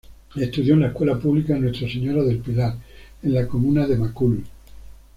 Estudió en la escuela pública "Nuestra señora del Pilar", en la comuna de Macul.